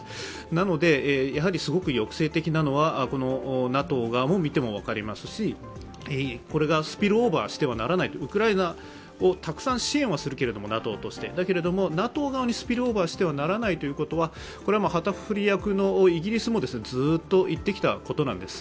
なので、やはりすごく抑制的なのはＮＡＴＯ側を見ても分かりますし、これがスピルオーバーしてはならないＮＡＴＯとしてウクライナをたくさん支援はするけれども、だけれども、ＮＡＴＯ側にスピルオーバーしてはいけないというのは旗振り役のイギリスもずっと言ってきたことなんです。